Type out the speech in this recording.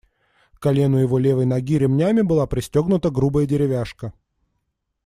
К колену его левой ноги ремнями была пристегнута грубая деревяшка.